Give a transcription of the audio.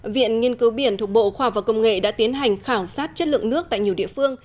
viện nghiên cứu biển thuộc bộ khoa và công nghệ đã tiến hành khảo sát chất lượng nước tại nhiều địa phương